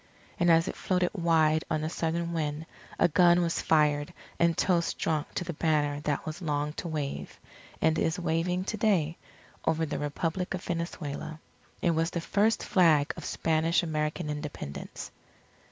And as it floated wide on the southern wind, a gun was fired and toasts drunk to the banner that was long to wave and is waving to day over the Republic of Venezuela. It was the first Flag of Spanish American Independence.